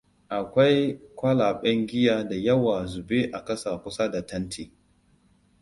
Akwai kwalaben giya da yawa zube a ƙasa kusa da tanti.